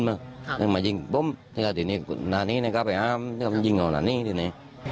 ไม่ใช่มันไม่มาเต้นกับมันแหละ